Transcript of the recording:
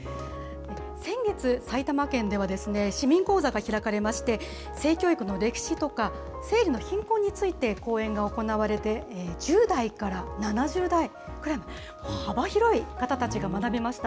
先月、埼玉県ではですね、市民講座が開かれまして、性教育の歴史とか、生理の貧困について講演が行われて、１０代から７０代くらいまで、幅広い方たちが学びました。